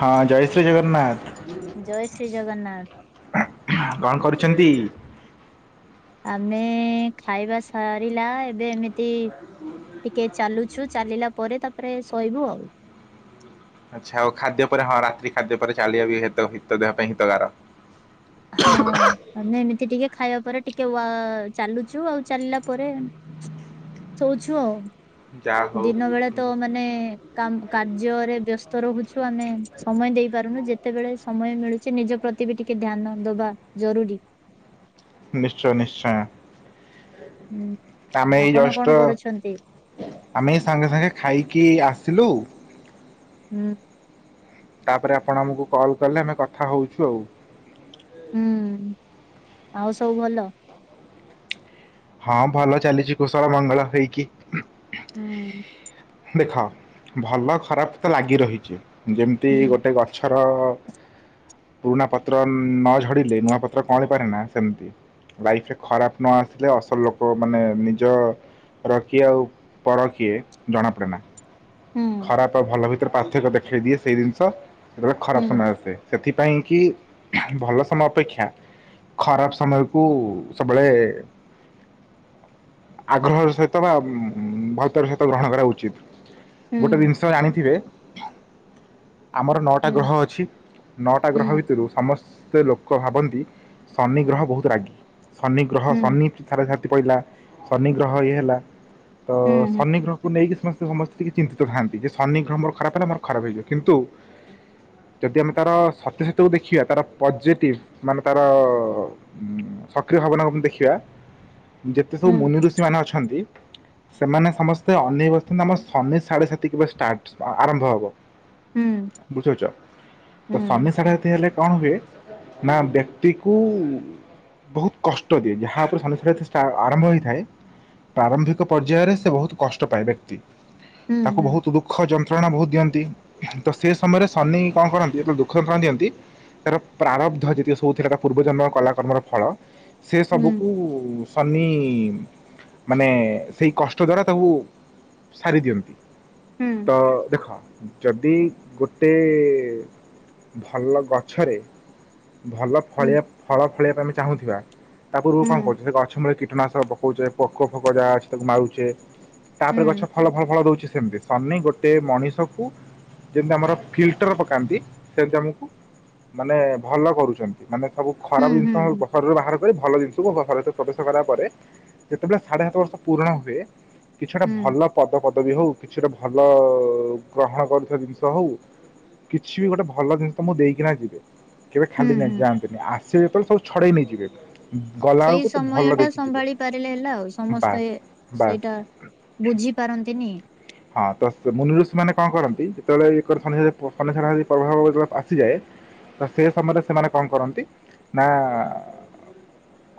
ହଁ ଜୟଶ୍ରୀ ଜଗନ୍ନାଥ। ଜୟ ଶ୍ରୀ ଜଗନ୍ନାଥ। କଣ କରୁଛନ୍ତି? ଆମେ ଖାଇବା ସରିଲା ଏବେ ଏମିତି ଟିକେ ଚାଲୁଛୁ ଚାଲିଲା ପରେ ତାପରେ ଶୋଇବୁ ଆଉ। ଆଚ୍ଛା। ଆଉ ଖାଦ୍ୟ ପରେ ହଁ ରାତ୍ରି ଖାଦ୍ୟ ପରେ ଚାଲିବା ହିତ ଦେହ ପାଇଁ ହିତକାର। ହଁ। ଆମେ ଏମିତି ଟିକେ ଖାଇବା ପରେ ଟିକେ ୱା ଚାଲୁଚୁ ଆଉ ଚାଲିଲା ପରେ ଶୋଉଛୁ ଆଉ। ଯାହା ହଉ ଦିନ ବେଳେ ତ ମାନେ କାମ୍ କାର୍ଯ୍ୟରେ ବ୍ୟସ୍ତ ରହୁଛୁ ଆମେ। ସମୟ ଦେଇପାରୁନୁ। ଯେତେବେଳେ ସମୟ ମିଳୁଛି ନିଜ ପ୍ରତି ବି ଟିକେ ଧ୍ୟାନ ଦବା ଜରୁରୀ। ନିଶ୍ଚୟ ନିଶ୍ଚୟ। ହୁଁ। ଆମେ ଏଇ ଆପଣ କଣ ଜଷ୍ଟ କରୁଛନ୍ତି? ଆମେ ସାଙ୍ଗେ ସାଙ୍ଗେ ଖାଇକି ଆସିଲୁ। ହୁଁ। ତାପରେ ଆପଣ ଆମକୁ କଲ୍ କଲେ ଆମେ କଥା ହଉଛୁ ଆଉ। ହୁଁ। ଆଉ ସବୁ ଭଲ? ହଁ ଭଲ ଚାଲିଚି, କୁଶଳ ମଙ୍ଗଳ ହେଇକି। ହୁଁ। ଦେଖ ଭଲ ଖରାପ ତ ଲାଗି ରହିଚି। ଯେମତି ହୁଁ ଗୋଟେ ଗଛର ପୁରୁଣା ପତ୍ର ନ ଝଡିଲେ ନୂଆ ପତ୍ର କଅଁଳି ପାରେନା ସେମତି। ଲାଇଫ୍ ରେ ଖରାପ ନ ଆସିଲେ ଅସଲ ଲୋକ ମାନେ ନିଜ ର କିଏ ଆଉ ପର କିଏ ଜଣା ପଡେ ନା। ହୁଁ ଖରାପ ଆଉ ଭଲ ଭିତରେ ପାର୍ଥକ୍ୟ ଦେଖେଇ ଦିଏ ସେଇ ଜିନିଷ। ସେତେବେଳେ ଖରାପ୍ ହୁଁ ସମୟ ଆସେ। ସେଥିପାଇଁକି ଭଲ ସମୟ ଅପେକ୍ଷା ଖରାପ ସମୟ କୁ ସବୁବେଳେ ଆଗ୍ରହର ସହିତ ବା ଭଲ ପାଇବାର ସହିତ ଗ୍ରହଣ କରିବା ଉଚିତ୍। ହୁଁ ଗୋଟେ ଜିନିଷ ଜାଣିଥିବେ ଆମର ନଅଟା ହୁଁ ଗ୍ରହ ଅଛି, ନଅଟା ଗ୍ରହ ସେଇ ଭିତୁରୁ ସମସ୍ତେ ଲୋକ ଭାବନ୍ତି ଶନି ଗ୍ରହ ବହୁତ ରାଗି। ଶନି ଗ୍ରହ ଶନି ସାଢେ ଶାତି ପଇଲା, ଶନି ଗ୍ରହ ଇଏ ହେଲା ତ, ଶନି ଗ୍ରହକୁ ନେଇକି ସମସ୍ତେ ସମସ୍ତେ ଟିକେ ଚିନ୍ତିତ ଥାଆନ୍ତି। ଯେ ଶନି ଗ୍ରହ ମୋର ଖରାପ ହେଲେ ମୋର ଖରାପ ହେଇଯିବ। କିନ୍ତୁ ଯଦି ଆମେ ତାର ସତ୍ୟାସତ୍ୟକୁ ଦେଖିବା ତାର ପଜିଟିଭ୍ ମାନେ ତାର ଉଁ ସକ୍ରିୟ ଭାବନା କୁ ଦେଖିବା ଯେତେ ସବୁ ମୁନି ଋଷି ମାନେ ଅଛନ୍ତି ସେମାନେ ସମସ୍ତେ ଅନେଇ ବସିଥାନ୍ତି ଆମର ଶନି ସାଢେ ସାତି କି ବା ଷ୍ଟାଟ୍ ଆରମ୍ଭ ହବ। ବୁଝିପାରୁଚ। ତ ଶନି ସାଢ଼େ ଶାତି ହେଲେ କଣ ହୁଏ ନା ବ୍ୟକ୍ତିକୁ ବହୁତ କଷ୍ଟ ଦିଏ। ଯାହା ଉପରେ ଶନି ସାଢେ ସାତି ଷ୍ଟା ଆରମ୍ଭ ହୋଇଥାଏ ପ୍ରାରମ୍ଭିକ ପର୍ଯ୍ୟାୟରେ ସେ ବହୁତ କଷ୍ଟ ପାଏ ବ୍ୟକ୍ତି। ତାକୁ ବହୁତ ଦୁଃଖ ଯନ୍ତ୍ରଣା ବହୁତ ଦିଅନ୍ତି। ତ ସେ ସମୟରେ ଶନି କଣ କରନ୍ତି ଯେତେବେଳେ ଦୁଃଖଯନ୍ତ୍ରଣା ଦିଅନ୍ତି ତାର ପ୍ରାରବ୍ଧ ଯେତିକି ସବୁ ଥିଲା, ତା ପୂର୍ବଜନ୍ମ କଳା କର୍ମର ଫଳ, ସେସବୁକୁ ଶନି ମାନେ ସେଇ କଷ୍ଟଦ୍ୱାରା ତାକୁ ସାରିଦିଅନ୍ତି। ତ ଦେଖ ଯଦି ଗୋଟେ ଭଲ ଗଛରେ ଭଲ ଫଳିବା ଫଳ ଫଳେଇ ପାଇଁ ଆମେ ଚାହୁଁଥିବା, ତା ପୂର୍ବରୁ କଣ କରୁଚୁ, ଗଛ ମୂଳ କୀଟନାଶକ ପ କଉଚେ ପୋକଫୋକ ଯାହା ଅଛି ତାକୁ ମାରୁଚେ। ତାପରେ ଗଛ ଫଲ ଫଳ ଫଳ ଦଉଚି। ସେମତି ଶନି ଗୋଟେ ମଣିଷକୁ ଯେମିତି ଆମର ଫିଲ୍ଟର ପକାନ୍ତି, ସେମିତି ଆମକୁ ମାନେ ଭଲ କରୁଛନ୍ତି। ମାନେ ସବୁ ଖରାପ ଜିନିଷ ଘରରୁ ବାହାର ଭଲ ଜିନିଷକୁ ଘରେ ପ୍ରବେଶ କରିବା ପରେ, ଯେତେବେଳେ ସାଢେ ସାତ ବର୍ଷ ପୂରଣ ହୁଏ କିଛି ଗୋଟେ ଭଲ ପଦପଦବୀ ହଉ, କିଛି ଗୋଟେ ଭଲ ଗ୍ରହଣ କରୁଥିବା ଜିନିଷ ହଉ କିଛିବି ଗୋଟେ ଭଲ ଜିନିଷ ମୁଁ ଦେଇକିନା ଯିବେ। କେବେ ଖାଲି ନାଇ ଯାଆନ୍ତନି, ଆସିବେ ଯେତଲେ ସବୁ ଛଡେଇ ନେଇଯିବେ। ଗଲା ସେଇ ବେଳକୁ ତ ଭଲ ସମୟଟା ଦେଇକି ଯିବେ ସମ୍ଭାଳି ପାରିଲେ ହେଲା ଆଉ, ସମସ୍ତେ ବାସ୍ ବାସ୍। ସେଇଟା ବୁଝିପାରନ୍ତିନି। ହଁ ତ ମୁନିରୁଋଷିମାନେ କଁ କରନ୍ତି, ଯେତେବେଳେନି [unintelligible] ଆସିଯାଏ। ତ ସେସମୟରେ ସେମାନେ କଣ କରନ୍ତି, ନା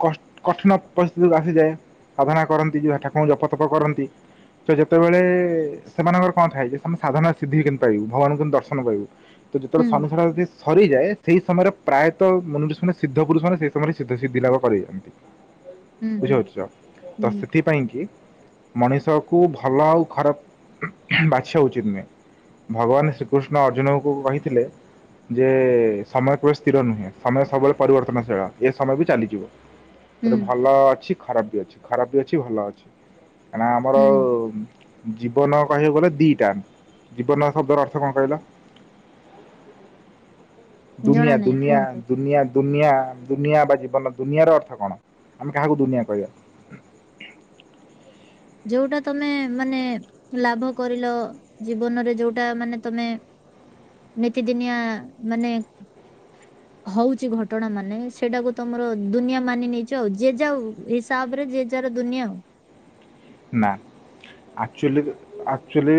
କସ କଠିନ ପରିସ୍ଥିତିକୁ ଆସିଯାଏ, ସାଧନା କରନ୍ତି ଯ ଠାକୁଙ୍କୁ ଜପତପ କରନ୍ତି। ସେ ଯେତେବେଳେ ସେମାନଙ୍କର କଣ ଥାଏ, ଯେ ସେ ସାଧନା ସିଦ୍ଧି କେମିତି ପାଇବୁ, ଭଗାନଙ୍କୁ କେମି ଦର୍ଶନ କରିବୁ ତ ହୁଁ ଯେତେବେଳେ [unintelligible] ସରିଯାଏ, ସେଇ ସମୟରେ ପ୍ରାୟତଃ ମନୁଷ୍ୟମାନେ ସିଦ୍ଧପୁରୁଷ ମାନ ସେସମୟରେ ସିଦ୍ଧସିଦ୍ଧି ଲାଭ କରେଇ ଦିଅନ୍ତି। ହୁଁ ବୁଝି ହୁଁ ପାରୁଚ ତ ହୁଁ ସେଠୀ ପାଇଁକି ମଣିଷକୁ ଭଲ ଆଉ ଖରାପ ବାଛିବା ଉଚିତ ନୁହେଁ। ଭଗବାନ ଶ୍ରୀକୃଷ୍ଣ ଅର୍ଜୁନଙ୍କୁ କହିଥିଲେ ଯେ ସମୟ କେବେ ସ୍ଥିର ନୁହେଁ, ସମୟ ସବୁବେଳେ ପରିବର୍ତ୍ତନଶୀଳ, ଏ ସମୟବି ଚାଲିଯିବ। [inaudible] ସେଠୁ ଭଲ ଅଛି ଖରାପ ବି ଅଛି, ଖରାପ ବି ଅଛି ଭଲ ଅଛି, କାଁନା ଆମର ହୁଁ ଜୀବନ କହିବାକୁ ଗଲେ ଦିଟା, ଜୀବନ ଶବ୍ଦର ଅର୍ଥ କଁ କହିଲ? [inaudible] ହୁଁ ଜଣା ଦୁନିଆ ନାହିଁ ଦୁନିଆ କୁହନ୍ତୁ ଦୁନିଆ ଦୁନିଆ ଦୁନିଆ ବା ଜୀବନ ଦୁନିଆର ଅର୍ଥ କଣ, ଆମେ କାହାକୁ ଦୁନିଆ କହିବା? ଯୋଉଟା ତମେ ମାନେ ଲାଭ କରିଲ ଜୀବନରେ ଯୋଉଟା ମାନେ ତମେ ନିତିଦିନିଆ ମାନେ ହଉଛି ଘଟଣା ମାନେ ସେଇଟାକୁ ତମର ଦୁନିଆ ମାନି ନେଇଛ ଆଉ ଯେ ଯାଉ ଇସ୍ ସାବ ରେ ଜେଜାର ଦୁନିଆ ଆଉ। ନା, ଆକଚୁଲି ଆକ୍ଚୁଲି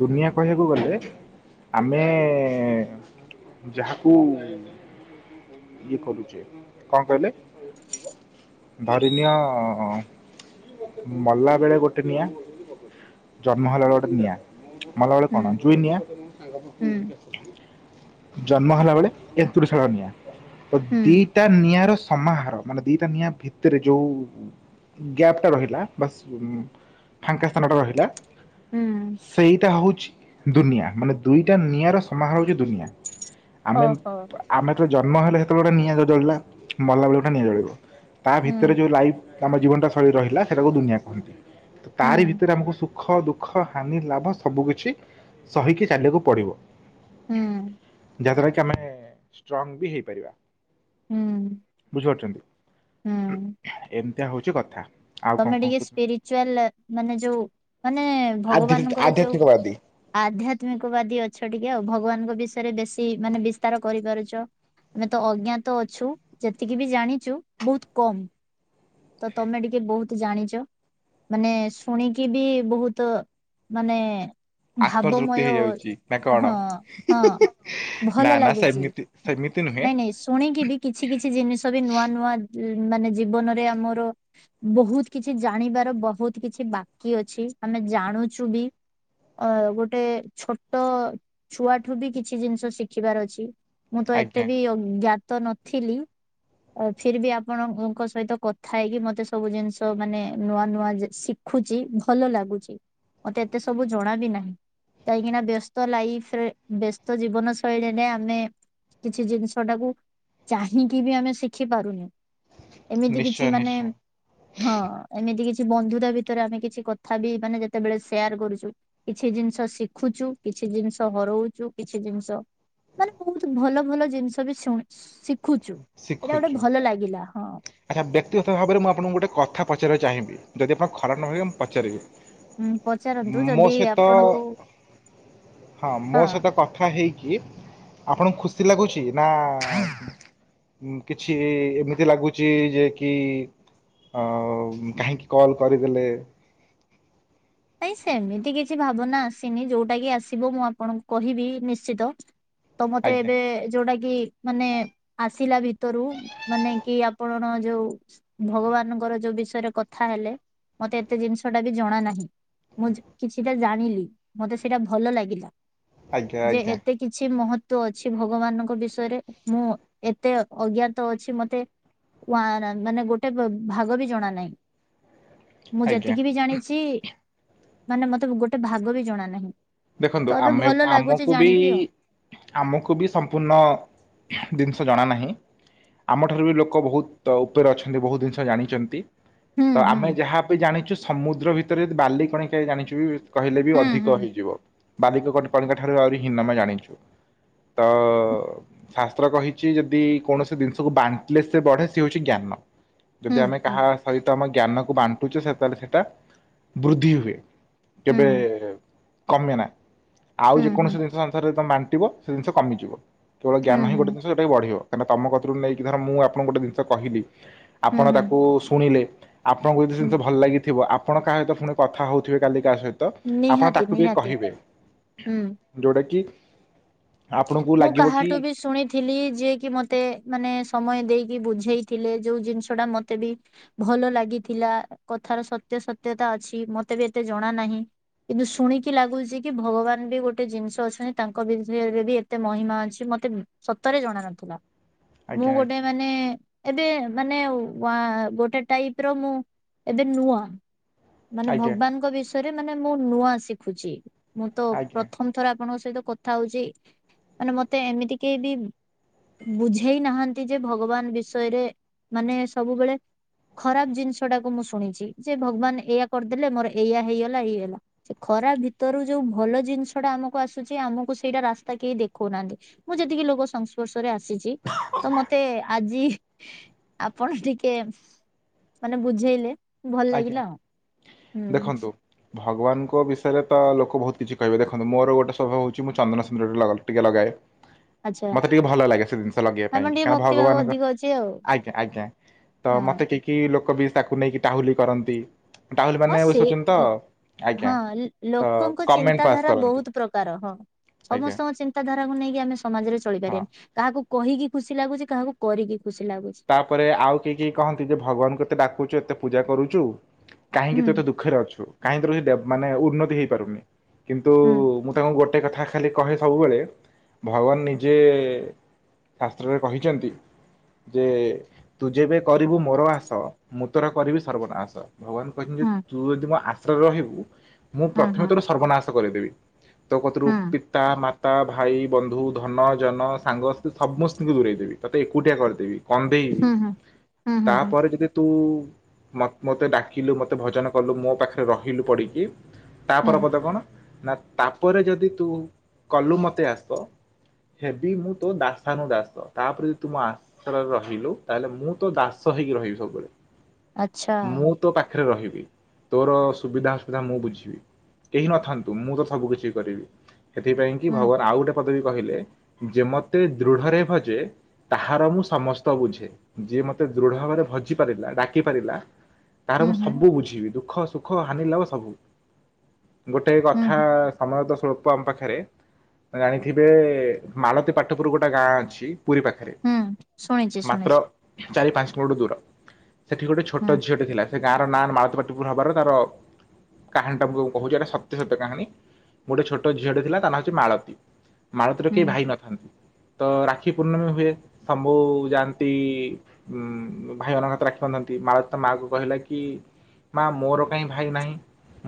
ଦୁନିଆ କହିବାକୁ ଗଲେ ଆମେ ଯାହାକୁ ଇଏ କରୁଚେ, କଣ କହିଲେ, ଧରିନିଅ ମଲା ବେଳେ ଗୋଟେ ନିଆଁ, ଜନ୍ମହେଲା ବେଳେ ଗୋଟେ ନିଆଁ। ମଲା ବେଳେ କଣ ହୁଁ ଜୁଇନିଆଁ। ହୁଁ ଜନ୍ମ ହେଲା ବେଳେ ଏନ୍ତୁଡି ଶାଳ ନିଆଁ, ତ ହୁଁ ଦିଟା ନିଆଁର ସମାହାର, ମାନେ ଦିଇଟା ନିଆଁ ଭିତରେ ଯୋଉ ଗ୍ୟାପ୍ଟା ରହିଲା ବା ଫାଙ୍କା ସ୍ଥାନଟା ରହିଲା, ହୁଁ ସେଇଟା ହଉଛି ଦୁନିଆ, ମାନେ ଦୁଇଟା ନିଆଁର ସମହାର ହଉଛି ଦୁନିଆ, ଆମେ ଓହୋ। ଆମେ ଯେତଳେ ଜନ୍ମ ହେଲେ ସେତେବେଳେ ଗୋଟେ ନିଆଁ ଜଳିଲା ମଲାବେଳେ ଗୋଟେ ନିଆଁ ଜଳିବ ତା ଭିତରେ ହୁଁ ଯୋଉ ଲାଇଫ୍ ଆମ ଜୀବନଟା ଶୈଳୀ ରହିଲା ସେଟାକୁ ଦୁନିଆ କୁହନ୍ତି, ହୁଁ ତାରି ଭିତରେ ଆମକୁ ସୁ ଖ ଦୁଃଖ ହାନି ଲାଭ ସବୁ କିଛି ସହିକି ଚାଲିବାକୁ ପଡିବ। ହୁଁ। ଯାହାଦ୍ଵାରା କି ଆମେ ଷ୍ଟ୍ରଙ୍ଗ ବି ହେଇପାରିବା, ହୁଁ ବୁଝିପାରୁଛନ୍ତି। ହୁଁ। ଏମିତିଆ ହଉଛି କଥା। ଆଉ କଣ ତମେ କଣ ଟିକେ କହୁଛନ୍ତି? ସ୍ପିରିଚୁଆଲ ମାନେ ଯୋଉ ମାନେ ଆଧ୍ୟା ଭଗବାନଙ୍କର ଯୋଉ ଆଧ୍ୟାତ୍ମିକବାଦୀ। ଆଧ୍ୟାତ୍ମିକବାଦୀ ଅଛ ଟିକେ ଆଉ ଭଗବାନଙ୍କ ବିଷୟରେ ବେଶୀ ମାନେ ବିସ୍ତାର କରିପାରୁଛ। ଆମେ ତ ଅଜ୍ଞାତ ଅଛୁ ଯେତିକି ବି ଜାଣିଛୁ ବହୁତ କମ୍। ତ ତମେ ଟିକେ ବହୁତ ତ ଜାଣିଛ ମାନେ ଶୁଣିକି ବି ବହୁତ ମାନେ ଆତ୍ମତୃପ୍ତି ଭାବମୟ ହେଇଯାଉଛି ନା କଣ ହଁ ହଁ। ନା ଭଲ ନା ଲାଗୁଛି ସେମିତି ସେମିତି ନୁହେଁ ନାଇଁ ନାଇଁ ଶୁଣିକି ବି କିଛି କିଛି ଜିନିଷ ବି ନୂଆ ନୂଆ ମାନେ ଜୀବନରେ ଆମର ବହୁତ କିଛି ଜାଣିବାର ବହୁତ କିଛି ବାକି ଅଛି ଆମେ ଜାଣୁଛୁ ବି। ଅ ଗୋଟେ ଛୋଟ ଛୁଆଠୁ ବି କିଛି ଜିନିଷ ଶିଖିବାର ଅଛି। ମୁଁ ତ ଏତେ ଆଜ୍ଞା। ବି ଅଜ୍ଞା ତ ନଥିଲି ଫିର ବି ଆପଣଙ୍କ ସହିତ କଥା ହେଇକି ମତେ ସବୁ ଜିନିଷ ତ ମାନେ ନୂଆ ନୂଆ ଶିଖୁଛି ଭଲ ଲାଗୁଛି ମତେ ଏତେ ସବୁ ଜଣା ବିି ନାହିଁ। କାହିଁକିନା ବ୍ୟସ୍ତ ଲାଇଫରେ ବ୍ୟସ୍ତ ଜୀବନ ଶୈଳୀରେ ଆମେ କିଛି ଜିନିଷ ଟାକୁ ଚାହିଁକି ବି ଆମେ ଶିଖି ପାରୁନି। ଏମିତି ନିଶ୍ଚୟ କିଛି ମାନେ ନିଶ୍ଚୟ ହଁ ଏମିତି କିଛି ବନ୍ଧୁତା ଭିତରେ ଆମେ କିଛି କଥା ବି ମାନେ ଯେତେବେଳେ ସେୟାର କରୁଛୁ। କିଛି ଜିନିଷ ଶିଖୁଛୁ କିଛି ଜିନିଷ ହରଉଛୁ କିଛି ଜିନିଷ ମାନେ ବହୁତ ଭଲ ଭଲ ଜିନିଷ ବି ଶୁ ଶିଖୁଛୁ ଏଇଟା ଗୋଟେ ଶିଖୁଛୁ। ଭଲ ଲାଗିଲା ହଁ। ଆଚ୍ଛା ବ୍ୟକ୍ତିଗତ ଭାବରେ ମୁଁ ଆପଣଙ୍କୁ ଗୋଟେ କଥା ପଚାରିବାକୁ ଚାହିବି ଯଦି ଆପଣ ଖରାପ ନଭାବିବେ ମୁଁ ଉଁ ପଚାରନ୍ତୁ ପଚାରିବି। ମୋ ଯଦି ସହିତ ଆପଣଙ୍କୁ ହଁ ମୋ ସହିତ କଥା କଥା ହେଇକି ଆପଣଙ୍କୁ ଖୁସି ଲାଗୁଛି ନା କିଛି ଏମିତି ଲାଗୁଛି ଛି ଯେ କି କାହିଁକି କଲ୍ କରିଦେଲେ। ନାଇଁ ସେମିତି କିଛି ଭାବନା ଆସିନି ଯୋଉଟା କି ଆସିବ ମୁଁ ଆପଣଙ୍କୁ କହିବି ନିଶ୍ଚିତ। ତ ମତେ ଆଜ୍ଞା ଏବେ ଯୋଉଟା କି ମାନେ ଆସିଲା ଭିତରୁ ମାନେ କି ଆପଣ ଯୋଉ ଭଗବାନଙ୍କର ଯୋଉ ବିଷୟରେ କଥା ହେଲେ ମତେ ଏତେ ଜିନିଷ ଟା ବି ଜଣା ନାହିଁ। ମୁଁ କିଛିଟା ଜାଣିଲି ମତେ ସେଇଟା ଭଲ ଲାଗିଲା ଆଜ୍ଞା ଯେ ଆଜ୍ଞା ଏତେ କିଛି ମହତ୍ୱ ଅଛି ଭଗବାନଙ୍କ ବିଷୟରେ ମୁଁ ଏତେ ଅଜ୍ଞାତ ଅଛି ମତେ ନା ନା ଗୋଟେ ଭାଗ ବି ଜଣା ନାହିଁ ମୁଁ ଆଜ୍ଞା। ଯେତିକି ବି ଜାଣିଛି ମାନେ ମତେ ଗୋଟେ ଭାଗ ବି ଜଣା ନାହିଁ। ଦେଖନ୍ତୁ ତ ଏବେ ଆମେ ଭଲ ଲାଗୁଛି ଆମକୁ ବି ଜାଣିକି ଆଉ ଆମକୁ ବି ସମ୍ପୂର୍ଣ୍ଣ ଜିନିଷ ଜଣା ନାହିଁ। ଆମଠାରୁ ବି ଲୋକ ବହୁତ ଉପରେ ଅଛନ୍ତି ବହୁତ ଜିନିଷ ଜାଣିଛନ୍ତି। ହୁଁ ତ ହୁଁ। ଆମେ ଯାହା ବିି ଜାଣିଛୁ ସମୁଦ୍ର ଭିତରେ ଯଦି ବାଲି କଣିକାଏ ଜାଣିଛୁ। କହିଲେ ବି ହୁଁ ହୁଁ ଅଧିକ ହେଇଯିବ ବାଲିକ କଣିଙ୍କା ଠାରୁ ଆହୁରି ହିନ ଆମେ ଜାଣିଛୁ। ତ। ଶାସ୍ତ୍ର କହିଛି ଯଦି କୌଣସି ଜିନିଷକୁ ବାଣ୍ଟିଲେ ସେ ବଢେ ସେ ହଉଛି ଜ୍ଞାନ। ହୁଁ ଯଦି ଆମେ ହୁଁ କାହା ସହିତ ଆମ ଜ୍ଞାନକୁ ବାଣ୍ଟୁଛୁ ସେ ତାହେଲେ ସେଟା ବୃଦ୍ଧି ହୁଏ। ହୁଁ କେବେ? କମେନା ଆଉ ହୁଁ ହୁଁ ଯେକୌଣସି ଜିନିଷ ସଂସାରରେ ତମେ ବାଣ୍ଟିବ ସେ ଜିନିଷ କମିଯିବ। କେବଳ ହୁଁ ଜ୍ଞାନ ହିଁ ଗୋଟେ ହୁଁ ଜିନିଷ ସେଟା ବଢିବ କାହିଁକି ତମ କତିରୁ ନେଇକି ଧର ମୁଁ ଆପଣଙ୍କୁ ଗୋଟେ ଜିନିଷ କିହିଲି ହୁଁ ଆପଣ ହୁଁ। ତାକୁ ଶୁଣିଲେ ଆପଣଙ୍କୁ ଯଦି ହୁଁ ଜିନିଷ ଭଲ ଲାଗିଥିବ ଆପଣ କାହା ସହିତ ପୁଣି କଥା ହଉଥିବେ କାଲି କାହା ସହିତ ଆପଣ ନିହାତି ତାକୁ ବି ନିହାତି କହିବେ। ହୁଁ। ଯୋଉଟା କି ଆପଣଙ୍କୁ ଲାଗିବ କି ଥିଲି ଯିଏକି ମତେ ମାନେ ସମୟ ଦେଇକି ବୁଝେଇଥିଲେ ଯୋଉ ଜିନିଷଟା ମତେ ବି ଭଲ ଲାଗିଥିଲା କଥାର ସତ୍ୟ ସତ୍ୟତା ଅଛି ମତେବି ଏତେ ଜଣା ନାହିଁ‌। କିନ୍ତୁ ଶୁଣିକି ଲାଗୁଚିକି ଭଗବାନବି ଗୋଟେ ଜିନିଷ ଅଛନ୍ତି ତାଙ୍କ ଭିତ ବି ଏତେ ମହିମା ଅଛି ମତେ ସତରେ ଜଣ ନଥିଲା ଆଜ୍ଞା ମୁଁ ଆଜ୍ଞା ଗୋଟେ ମାନେ ଏବେମାନେ ୱା ଗୋଟେ ଟାଇପର ମୁଁ ଏବେ ନୂଆ। ମାନେ ଆଜ୍ଞା ଭଗବାନଙ୍କ ବିଷୟରେ ମାନେ ମୁଁ ନୂଆ ଶିଖୁଛି ମୁଁତ ଆଜ୍ଞା ପ୍ରଥମ ଥର ଆପଣଙ୍କ ସହିତ କଥା ହଉଚି ମାନେ ମତେ ଏମିତି କେହିବି ବୁଝେଇ ନାହାନ୍ତିଯେ ଭଗବାନ ବିଷୟରେ ମାନେ ସବୁବେଳେ ଖରାପ୍ ଜିନିଷଟାକୁ ମୁଁ ଶୁଣିଚି ଯେଭଗବାନ ଏଇଆ କରିଦେଲେ ମୋର ଏଇଆ ହେଇଗଲା ଏଇଗଲା। ସେଖରାପ୍ ଭିତରୁ ଯୋଉ ଭଲ ଜିନିଷଟା ଆମକୁ ଆସୁଛି ଆମକୁ ସେଇଟା ରାସ୍ ତା କେହି ଦେଖଉନାହାନ୍ତି ମୁଁ ଯେତିକି ଲୋକ ସଂସ୍ପର୍ଶରେ ଆସିଚି ତମତେ ଆଜି ଆପଣ ଟିକେ ମାନେ ବୁଝେଇଲେ ଭଲ ଆଜ୍ଞା ଲାଗିଲା ହୁଁ। ଦେଖନ୍ତୁ ଭଗବାନଙ୍କ ବିଷୟରେତ ଲୋକ ବହୁତ୍ କିଛି କହିବେ ଦେଖନ୍ତୁ ମୋର ଶୋଭାବ ହଉଚି ମୁଁ ଚନ୍ଦନସିନ୍ଦୁର ଟି ଟିକେ ଲଗାଏ। [inaudible] ମତେ ଟିକେ ଭଲ ଲାଗେ ସେ ଜିନିଷ ଲଗେଇବା ପାଇଁ ଆମର ଟିକେ କାଇଁ ଭକ୍ତି ଭାବ ଭଗବାନଙ୍କ ଅଧିକ ଅଛି ଆଉ ଆଜ୍ଞା ଆଜ୍ଞା। ତ ହଁ ମତେ କି କି ଲୋକବି ତାକୁ ନେଇକି ଟାହୁଲି କରନ୍ତି ଟାହୁଲି ହଁ ମାନେ ସେ ବୁଝିପାରୁଛନ୍ତି ତ? ହଁ ଆଜ୍ଞା ଲୋ ତ ଲୋକଙ୍କ କମେଣ୍ଟ ପାସ୍ ଚିନ୍ତାଧାରା କରନ୍ତି ବହୁତ୍ ପ୍ରକାର ହଁ। ଆଜ୍ଞା ସମସ୍ତଙ୍କ ଚିନ୍ତାଧାରାକୁ ନେଇକି ଆମେ ସମାଜରେ ହଁ। ଚଳିପାରିବାନି। କାହାକୁ କହିକି ଖୁସି ଲାଗୁଛି କାହାକୁ କରିକି ଖୁସି ଲାଗୁଛି। ତାପରେ ଆଉ କି କି କହନ୍ତି ଯେ ଭଗବାନଙ୍କୁ ଏତେ ଡାକୁଛୁ ଏତେ ପୂଜା କରୁଚୁ କାହିଁକି ହୁଁ ତୁଏତେ ଦୁଃଖରେ ଅଛୁ କାହିଁକି ମାନେ ଉନ୍ନତି ହେଇପାରୁନି କିନ୍ତୁ ହୁଁ ମୁ ତାଙ୍କୁ ଗୋଟେ କଥା ଖାଲି କହିଲେ ସବୁବେଳେ ଭଗବାନ ନିଜେ ଶାସ୍ତ୍ରରେ କହିଚନ୍ତି। ଯେ ତୁ ଯେବେ କରିବୁ ମୋର ଆସ ମୁଁ ତୋର କରିବି ସର୍ବନାଶ ଭଗବାନ ଭଗବାନ କହିଛନ୍ତିଯେ ହଁ ତୁ ଯଦି ମୋ ଆଶ୍ରୟରେ ରହିବୁ ମୁଁ ହଁ ପ୍ରଥମେ ହଁ ତୋର ସର୍ବନାଶ କରେଇଦେବି ତୋ କତିରୁ ହଁ ପିତା ମା ପିତା ଭାଇ ବନ୍ଧୁ ଧନ ଜନ ସାଙ୍ଗସାଥି ସମସ୍ତଙ୍କୁ ଦୂରେଇ ଦେବି ତୋତେ ଏକୁଟିଆ କରିଦେବି କନ୍ଦେଇବି ହୁଁ ହୁଁ ହୁଁ ହୁଁ ହୁଁ ତାପରେ ଯଦି ତୁ ମୋ ମୋତେ ଡାକିଲୁ ମୋତେ ଭଜନ କଲୁ ମୋ ପାଖରେ ରହିଲୁ ପଡ଼ିକି ହୁଁ ତାପରେ ପଦ କଣ ନା ତାପରେ ଯଦି ତୁ କଲୁ ମତେ ଆସ ହେବି ମୁଁ ତୋ ଦାସାନୁ ଦାସ ତାପରେ ଯଦି ତୁମ ଆ ଆସରେ ରହିଲୁ ତାହେଲେ ମୁଁ ତ ଦାସ ହେଇକି ରହିବି ସବୁବେଳେ। ଆଚ୍ଛା। ମୁଁ ତୋ ପାଖରେ ରହିବି ତୋର ସୁବିଧା ଅସୁବିଧା ମୁଁ ବୁଝିବି। କେହି ନଥାନ୍ତୁ ମୁଁତ ସବୁ କିଛି କରିବି। ସେଥିପାଇଁ କି ହୁଁ ଭଗବାନ ଆଉ ଗୋଟେ ପଦ ବି କହିଲେ ଯେ ମତେ ଦୃଢରେ ଭଜେ ତାହାର ମୁଁ ସମସ୍ତ ବୁଝେ ଯିଏ ମତେ ଦୃଢ ଭାବରେ ଭଜି ପାରିଲା ଡାକି ପାରିଲା ତାର ହୁଁ ମୁଁ ହୁଁ ସବୁ ବୁଝିବି ଦୁଃଖ ସୁଖ ହାନି ଲାଭ ସବୁ ଗୋଟେ ହୁଁ କଥା ହୁଁ ସମୟତ ସ୍ୱଳ୍ପ ତମ ପାଖରେ ଜାଣିଥିବେ ମାଳତୀ ପାଟପୁର ଗୋଟେ ଗାଁ ଅଛି ପୁରୀ ପାଖରେ ହୁଁ ଶୁଣିଛି ମାତ୍ର ଶୁଣିଛି ଚାରି ପାଞ୍ଚ କିଲୋମିଟର୍ ଦୂର ସେଠି ଗୋଟେ ହୁଁ ଛୋଟ ଝିଅଟେ ଥିଲା ସେ ଗାଁର ନାଁ ମାଳତୀପାଟପୁର ହବାରୁ ତାର କାହାଣି ଟାକୁ ମୁଁ କହୁଛି ଏଇଟା ସତ୍ୟ ସତ୍ୟ କାହାଣୀ ଗୋଟେ ଝିଅଟେ ଥିଲା ତା ନାହଉଚି ମାଳତୀ। ମାଳତୀର ହୁଁ କେହି ଭାଇ ନଥାନ୍ତି ତ ରାକ୍ଷୀ ପୂର୍ଣ୍ଣମୀ ହୁଏ ସମ୍ଭୁ ଯାଆନ୍ତି ଉଁ ଭାଇ ମାନଙ୍କ ହାତରେ ରାକ୍ଷୀ ବାନ୍ଧନ୍ତି। ମାଳତୀ ତା ମା କୁ କହିଲା କି ମା ମୋର କାହିଁ ଭାଇ ନାହିଁ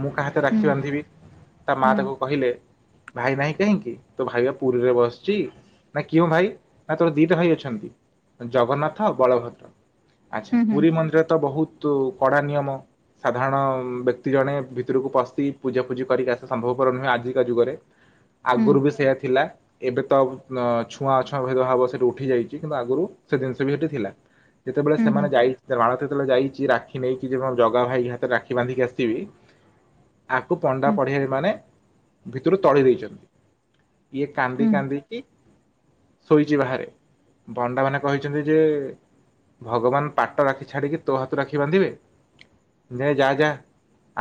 ମୁଁ କାହା ହାତେ ହୁଁ ରାକ୍ଷୀ ବାନ୍ଧିବି? ତା ମା ହୁଁ ତାକୁ କହିଲେ ଭାଇ ନାହିଁ କାହିଁକି ତୋ ଭାଇ ପା ପୁରୀରେ ବସିଚି। ନା କିଏ ମୋ ଭାଇ? ନା ତୋର ଦିଟା ଭାଇ ଅଛ ନ୍ତି ଜଗନ୍ନାଥ ଆଉ ବଳଭଦ୍ର। ଆଚ୍ଛା ହୁଁ ହୁଁ ପୁରୀ ମନ୍ଦିର ତ ବହୁତ ତୁ କଡ଼ା ନିୟମ। ସାଧାରଣ ବ୍ୟକ୍ତି ଜଣେ ଭିତରକୁ ପଶି ପୂଜାଫୂଜି କରିକି ଆସିବା ସମ୍ଭବପର ନୁହେଁ ଆଜିକା ଯୁଗରେ। ହୁଁ ଆଗରୁ ବି ସେଇୟା ଥିଲା ଏବେ ତ ଅ ଛୁଆଁଛୁଆଁ ଭେଦଭାବ ସେଠି ଉଠି ଯାଇଚି। କିନ୍ତୁ ଆଗରୁ ସେ ଜିନିଷ ବି ସେଠି ଥିଲା। ଯେତେବେଳେ ହୁଁ ହୁଁ ସେମାନେ ଯାଇ ମାଳତୀ ଜେତେବେଳେ ଯାଇଚି ରାକ୍ଷୀ ନେଇକି ଜଗା ଭାଇ ହାତରେ ରାକ୍ଷୀ ବାଧିକି ଆସିବି। ଆକୁ ପଣ୍ଡା ପଡ଼ିଆାରୀ ମାନେ ଭିତରୁ ତଡି ଦେଇଚନ୍ତି। ଇଏ କାନ୍ଦି କାନ୍ଦିକି ଶୋଇଛି ବାହାରେ। ପଣ୍ଡା ମାନେ କହିଚନ୍ତି ଯେ ଭଗବାନ ପାଟ ରାଖି ଛାଡିକି ତୋ ହାତରୁ ରାକ୍ଷୀ ବାନ୍ଧିବେ? ନେ ଯା ଯା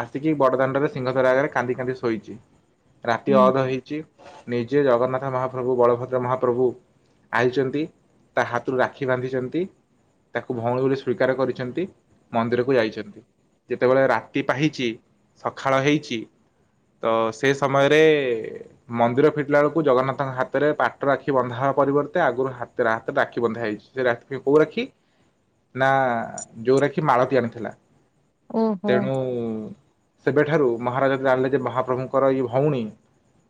ଆସିକି ବଡ଼ଦାଣ୍ଡରେ ସିଂହଦ୍ୱାର ଆଗରେ କାନ୍ଦି କାନ୍ଦି ଶୋଇଚି। ରାତି ଅଧ ହେଇଚି। ନିଜେ ଜଗନ୍ନାଥ ମହାପ୍ରଭୁ ବଳଭଦ୍ର ମହାପ୍ରଭୁ ଆଇଚନ୍ତି। ତା ହାତରୁ ରାକ୍ଷୀ ବାନ୍ଧିଚନ୍ତି। ତାକୁ ଭଉଣୀ ବୋଲି ସ୍ୱୀକାର କରିଚନ୍ତି ମନ୍ଦିରକୁ ଯାଇଚନ୍ତି। ଯେତେବେଳେ ରାତି ପାହିଚି ସକାଳ ହେଇଚି ତ ସେ ସମୟରେ ମନ୍ଦିର ଫିଟିଲା ବେଳକୁ ଜଗନ୍ନାଥଙ୍କ ହାତରେ ପାଟ ରାଖି ବନ୍ଧା ହେବା ପରିବର୍ତ୍ତେ ଆଗରୁ ହାତରେ ରାକ୍ଷୀ ବନ୍ଧା ହେଇଇଚି। ସେ ରାଖି କୋଉ ରାକ୍ଷୀ? ନା ଯୋଉ ରାକ୍ଷୀ ମାଳତି ଆଣିଥିଲା। ତେଣୁ ସେବେଠାରୁ ମହାରାଜା ଯ ଜାଣିଲେ ଯେ ମହାପ୍ରଭୁଙ୍କର ଏଇ ଭଉଣୀ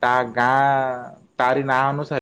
ତା ଗାଁ ତାରି ନାଁ ଅନୁସାରେ